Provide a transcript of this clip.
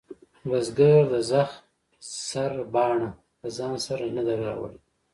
بزگر د زخ سرباڼه له ځانه سره نه ده راوړې.